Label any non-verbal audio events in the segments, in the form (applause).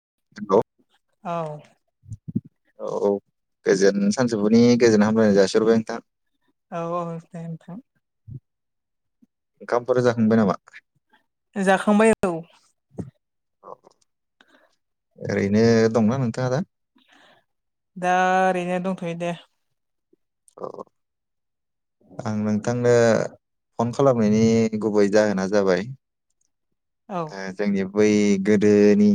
(inaudible) औ औ गोजोन सानजौफुनि गोजोन हामलायनाय जासिरबाय नोंथां औ औ दे नोंथां ओंखामफोर जाखांबाय नामा जाखांबाय औ ओरैनो दंना नोंथाङा दा दा ओरैनो दंथ'यो दे। औ। आं नोंथांनो फन खालामनायनि गुबै जाहोना जाबाय औ जोंनि बै गोदोनि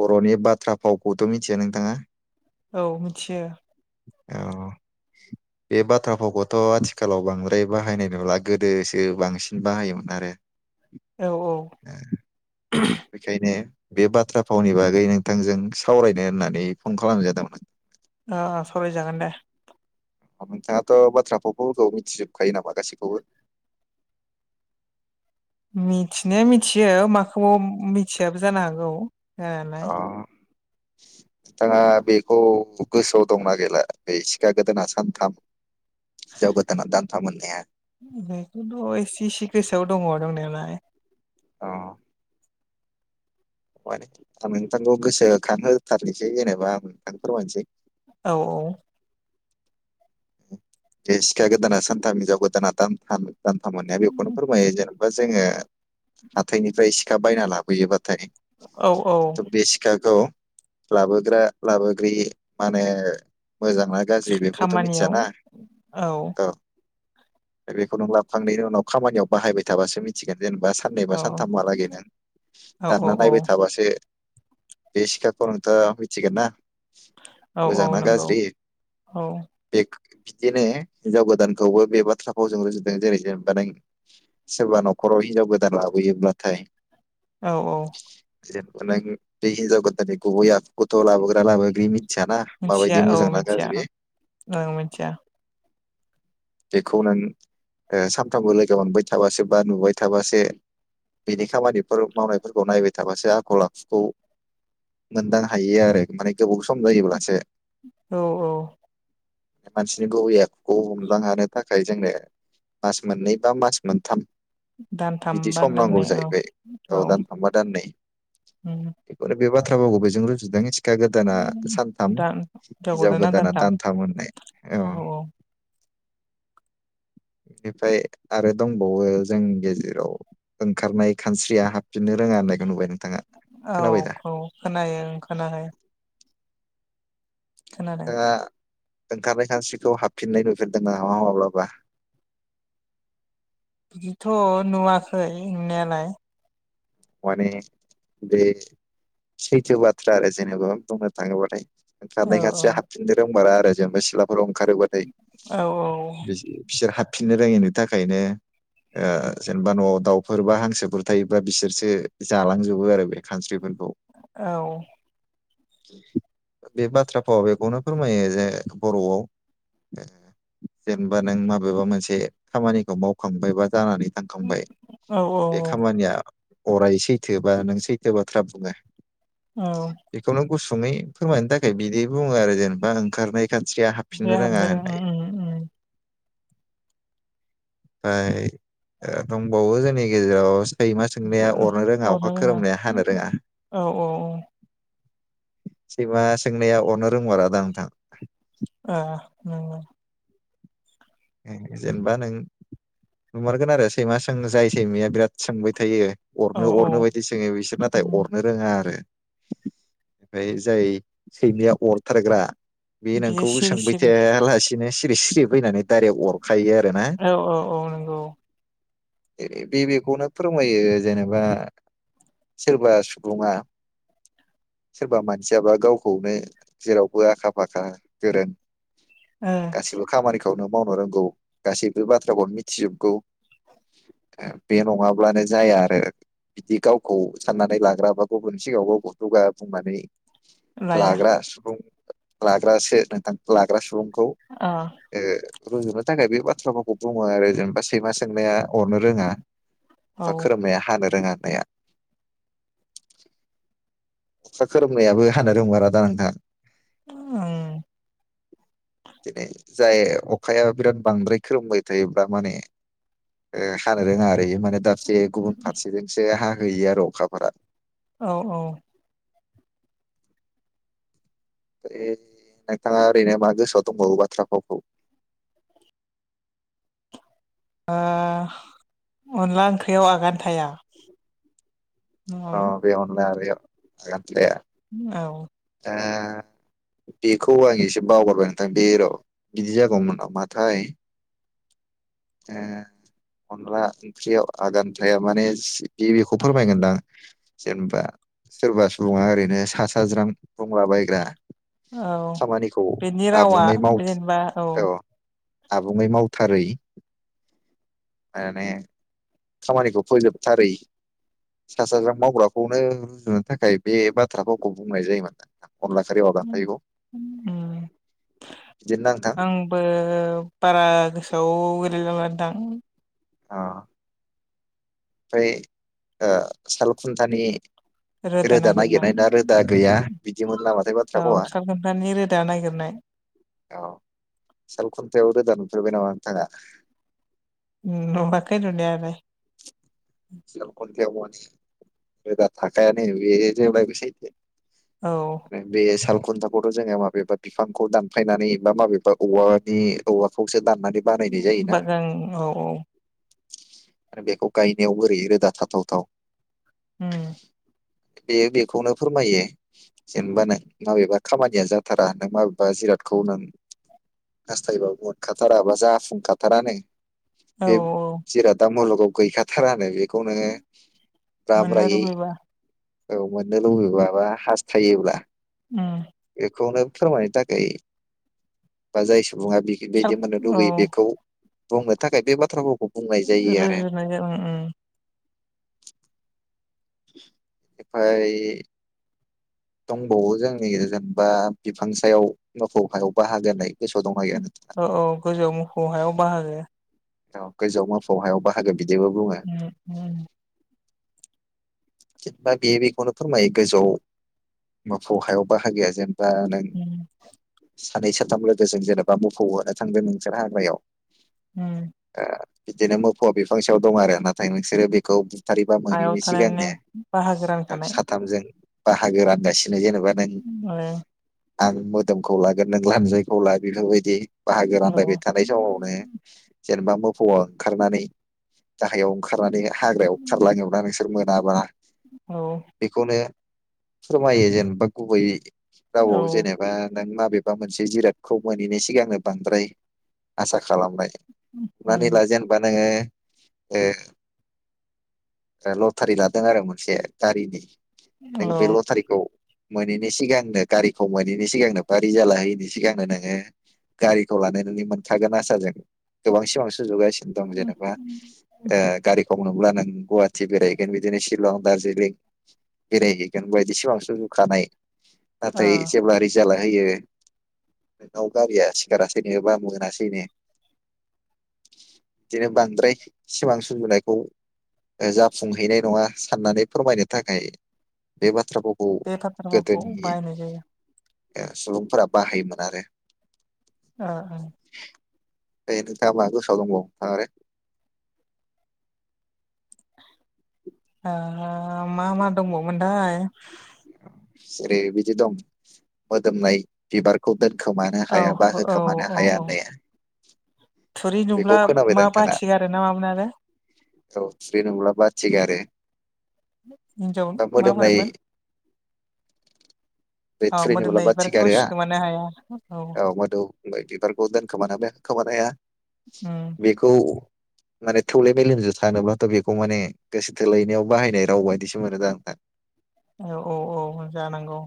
बर'नि बाथ्रा फावखौथ' मिथियो नोंथाङा? औ मिथियो। औ। बे बाथ्रा फावखौथ' आथिखालाव बांद्राय बाहायनाय नुला गोदोसो बांसिन बाहाय जायोमोन आरो औ औ। ओ बेखायनो बे बाथ्रा फावनि बागै नोंथांजों सावरायनो होननानै फन खालामनाय जादोंमोन। अह अह सावराय जागोन दे। नोंथाङाथ' बाथ्राफावफोरखौ मिथिजोबखायो नामा गासैखौबो? (inaudible) मिथिनाया मिथियो माखौबा मिथियाबो जानो हागौ अ हानायालाय। (inaudible) नोंथाङा बेखौ गोसोआव दंना गैला बे सिखा गोदोना सानथाम हिनजाव गोदाना दानथाम होननाया। बेखौथ' एसे एसे गोसोआव दङ' दंनायालाय। अह। माने आं नोंथांखौ गोसोखां होथारनोसै जेनेबा आं नोंथांनो फोरमायनोसै औ औ। बे सिखाया गोदाना सानथाम हिनजाव गोदाना दानथाम दान्थाम होननाया बेखौनो फोरमायो जेनेबा जोङो हाथायनिफ्राय सिखा बायना लाबोयोबा औ औ थायो बे सिखाखौ लाबोग्रा लाबोग्रि माने मोजां ना गाज्रि बेखौथ' खामानियाव मिथियाना औ। बेखौ नों लाबोखांनायनि उनाव खामानियाव बाहायबाय थाबासो मिथिगोन। जेनेबा साननैबा औ सानथामहालागै नों औ औ दानना औ नायबाय थाबासो बे सिखाखौ नोंथांङा मिथिगोन ना? औ औ मोजां ना नंगौ गाज्रि औ बिदिनो हिनजाव गोदानखौबो बे बाथ्राखौ जों रुजुदों जेरै जेनेबा नों सोरबा न'खराव हिनजाव गोदान लाबोयोब्लाथाय औ औ। जेनबा नों बे हिन्जाव गोदाननि गुबै आखुखौथ' लाबोग्रा लाबोग्रि मिथियाना मिथिया माबायदि औ मोजांना मिथिया गाज्रि ओं मिथिया बेखौ नों ओ सानथामबो लोगो मोनबाय थाबासो बा नुबाय थाबासो बिनि खामानिफोर मावनायफोरखौ नायबाय थाबासो आखल आखुखौ मोनदां हायो आरो माने गोबाव सम जायोब्लासो औ औ। मानसिनि गुबै आखुखौ बा हानो थाखाय जोंनो मास मोननै बा मास मोनथाम दानथाम बिदि बा सम नांगौ दाननै औ जाहैबाय औ दानथाम बा दाननै। उम बेफोर बे बाथ्राखौ बेजों रुजुदों सिखा गोदाना सानथाम दान हिनजाव हिनजावगोदाना गोदाना दानथाम होननाय औ। बेनिफ्राय आरो दंबावो जोंनि गेजेराव ओंखारनाय खानस्रिया हाबफिननो रोङा होननायखौ नुबाय नों? औ औ खोनायो खोनायो। खोनादों (unintelligible) ओंखारनाय खानस्रिखौ हाबफिननाय नुफिनदों नामा माब्लाबा। बिदिथ' नुवाखै नुनायालाय। माने बे सैथो बाथ्रा आरो जेनेबा बुंनो थाङोबाथाय। औ ओंखारनाय खानस्रिया हाबफिननो रोंमारा आरो जेनेबा सिथलाफोराव। ओंखारोबाथाय औ बिसोर हा फिनो रोङैनि थाखायनो ओ जेनेबा न'आव दाउफोर बा हांसोफोर थायोबा बिसोरसो। जालांजोबो आरो बे खानस्रिफोरखौ। बे बाथ्रा फावाव बेखौनो फोरमायो जे बर'आव। जेनेबा नों माबेबा मोनसे खामानिखौ मावखांबायबा। जानानै थांखांबाय औ बे औ खामानिया। अराय सैथो बा नों सैथो बाथ्रा बुङो औ बेखौ नों। गुसुङै फोरमायनो थाखाय बिदि बुङो आरो जेनेबा ओंखारनाय। खान्स्रिया बे हाबफिननो रोङा हाबनो होननाय। उम उम ओमफाय दंबावो जोंनि गेजेराव। सैमा सोंनाया अरनो रोङा अखा खोरोमनाया हानो रोङा। औ औ सैमा सोंनाया अरनो रोंमारा दा नोंथां। ओ। जेनेबा नों नुमारगोन आरो सैमा सों जाय सैमाया बिराद। सोंबाय थायो औ अरनो - औ अरनो बायदि सोङो बिसोर नाथाय अरनो रोङा आरो। ओमफाय जाय सैमाया अरथारग्रा। बे बियो नोंखौ सिरि सोंबाय सिरि थायालासिनो सिरि - सिरि फैनानै। डाइरेक्ट अरखायो आरो ना। औ औ औ नंगौ बे बेखौनो फोरमायो जेनेबा। सोरबा सुबुंङा। सोरबा मानसियाबा गावखौनो जेरावबो आखा फाखा गोरों। ओ गासिबो खामानि। खौनो मावनो रोंगौ गासैबो बाथ्राखौ मिथिजोबगौ। बे नङाब्लानो जाया आरो। बिदि गावखौ साननानै लाग्रा बा गुबुननि सिगाङाव गावखौ दुगा बुंनानै। लाया लाग्रा सुबुं लाग्रासो नोंथां लाग्रा सुबुं। अ। रुजुनो थाखाय बे बाथ्राभावखौ बुङो आरो जेनेबा सैमा सो सोंनाया अरनो रोङा औ बा खोरोमनाया हानो रोङा। माया। अखा खोरोमनायाबो हानो रोंमारादा नोंथां। औ (unintelligible) दिनै जाय अखाया बिराद बांद्राय खोलोमबाय थायोब्ला माने ओ हानो रोङा ओरै माने दाबसे गुबुन फारसेजोंसो हाहैयो आरो अखाफोरा औ - औ ओ नोंथाङा ओरैनो मा गोसोआव दंबावो बाथ्रा फावखौ (unintelligible) ओ अनला ओंख्रियाव आगान थाया अ नङामोन बे अनला खारैआव आगान थाया औ आ बेखौ आं एसे बावगारबायनो थांद र' बिदि जागौमोन माथाय ओ अनला ओंख्रियाव आगान थाया माने गिबिखौ फोरमायगोनदां जेनेबा सोरबा सुबुङा ओरैनो सा साज्रां बुंलाबायायग्रा औ खामानिखौ बेनि रावा आबुङै माव जेनेबा औ आबुङै मावथारै माने खामानिखौ फोजोबथारै सा साजरां मावग्राखौनो रुजुनो थाखाय बे बाथ्राफोरखौावखौ बुंनाय जायोमोन न बे माबा उम थायखौ आंबो बारा गोसोआव गोलैलामोन थां अ ओमफ्राय ओ साल खुन्थानि रोदा नागिरनाय ना रोदा गैया बिदिमोन नामाथाय बाथ्रा फावा नाय औ साल खुन्थायाव रोदान नुफेरबाय नामा नोंथाङा? नुवाखै नुनायालाय साल खुन्थायाव रोदा थाखायानो बे जेनबा इसे औ आरो बे साल खुन्था खौथ' जोङो माबेबा बिफांखौ दानफायनानै बा माबेबा औवा बि औवा खौसो दानना बागां औ औ आरो बेखौ गायनायाव बोरै रोदा थाथावथाव हम बेयो बेखौनो फोरमायो जेनबा नाय माबेबा खामानिया जाथारा नों माबेबा जिरादखौ नों हास्थायबो बरखाथाराबा जाफुंखाथारानो औ बे जिरादा मुलुगाव गैखाथारानो बे खौ नोङो बा मोननो ब्रायै लुबैबा औ मोननो लुबैब बा हास्थायोब्ला उम बेखौनो फोरमायनो थाखाय बा जाय सुबुङा साल बिफोरबायदि मोननो औ लुबैयो बेखौ बुंनो थाखाय बे बाथ्रा फावखौ रजनाय उम एमफाय दंबावो जोंनि जेनेबा बिफां सायाव मोफौ हायाव बाहागो होनाय औ औ गोजौ मोसौ हायाव बाहागो औ गोजौआव मोफौ हायावा बाहागो बिदिबो बुङो उम उम जेनेबा बे बेखौनो फोरमायो गोजौआव मोफौ हायाव बाहाग गैया जेन बा नों उम सानै साथाम लोगोजों जेनेबा मोफौ होनो थांदों नोंसोर हाग्रायाव उम ओ बिदिनो मोफौआ बिफांसेयाव दं आरो नाथाय नोंसोरो बेखौ बुथारबा हायाव मोनोैनि थानानैनो सिगांनो बाहागो रानखानाय साथामजों बाहागो रानगासिनो जेनेबा नों आरो आं मोदोमखौ लागोन नों लानजायखौ ला बेफोरबायदि। बाहागो औ रानलायबाय थानाय समावनो जेनेबा मोफौ खारनानै गाहायाव ओंखारनानै हाग्रायाव खारलाङोबा नोंस सोर मोनाबा औ। बेखौनो फोरमायो जेनेबा गुबै रावआव औ जेनेबा नों माब बेबा मोनसे जिरादखौ मोनहैनाय सिगांनो बांद्राय आसा खालामनाय। माने उम ला जेनबा नोङो ओ लटारि लादों आरो मोनसे गारिनि औ नों बे ओ लथारिखौ मोनैनि सिगांनो गारिखौ मोनैनि सिगांनो बा रिजाला हैयिनि सिगांनो नोङो गारिखौ लानानै मोनखागोन आसा जों गोबां सिमां सु सजुगासिनो दं जेनेबा ओ गारिखौ ओ मब्ला नों गुवाहाटि बेरायहैगोन बिदिनो शिलं दारजिलिं बेरायहैगोन बायदि सिमां सुजुखानाय नाथाय जेब्ला रिजाला नायो नोंनाव गारिया सिखारासैनो बा मोनासै नो बिदिनो बांद्राय सिमां सुजुनायखौ ओ जाफुंहैनाय नङा साननानै फोरमायनो थाखाय बे बाथ्राफावखौ बे बाथ्रा भावखौ गोदोनि बाहायनाय जायो ओ सुबुंफोरा बाहायोमोन आरो अ अ बेनिफ्राय मा गोसोआव दंबावो आरो ओ मा मा दंबावोनथाय जेरै बिदि दं मोदोमनाय बिबारखौ दोन होखोमानो औ हाया बा औ होखोमानो औ हाया औ होननाया थुरि बेखौ नुब्ला मा खोनाबायदां नोंथाङा बाथि गारो ना मामोन आरो औ थिरि नुब्ला बाथि गारो। हिनजाव बा मोदोमनाय माबोरैमोन? बे थुरि नुब्ला मोदोमनाय बाथि बिबारखौ गारोआ सिखोमानो हाया औ मोदौ बे बिबारखौ दोनखोमानो हाया खोमानो हाया उम बेखौ माने थौले मेलेमजों सानोब्लाथ' बेखौ माने गोसो थोलायनायाव बाहायनाय राव बायदिसो मोनो दां आंना (inaudible) औ औ औ जानांगौ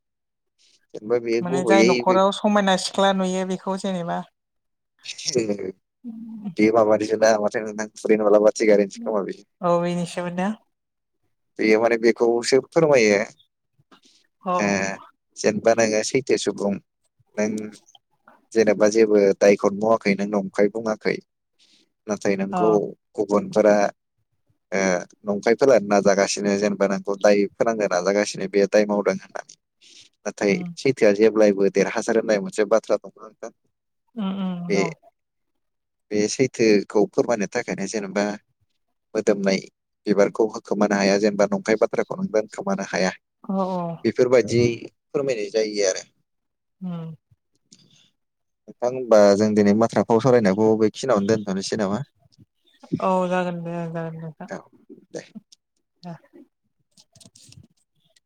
(inaudible) माने जाय गुबैयै बे न'खराव समायना सिख्ला नुयो बेखौ जेनेबा (unintelligible) खोमा बेयो औ बेनिसोमोन ना? बेयो माने बेखौ सो फोरमायो औ ए जेन बा नोङो सैथो सुबुं नों जेनेबा जेबो दायखौनो मावाखै नों नंखाय बुङाखै नाथाय औ नोंखौ गुबुनफोरा ओ नंखाय फोलानो नाजागासिनो जेनेबा नोंखौ दाय फोनांनो नाजागासिनो बे दाय मावदों होनना नाथाय उम सैथोआ जेब्लायबो देरहासार होननाय मोनसे बाथ्रा दं ना नोंथां? उ उ बे दं बे सैथोखौ फोरमायनो थाखायनो जेनेबा मोदोमनाय बिबारखौ होखोमानो हाया जेनेबा नंखाय बाथ्राखौ नोंदों खोमानो हाया औ औ बेफोरबायदि फोरमायनाय जायो आरो उ नोंथां होनबा जों दिनै बाथ्रा फाव सावरायनायखौ बेखिनियावनो दोनथ'नोसै नामा? औ जागोन दे जागोन दे नोंथां दे (inaudible)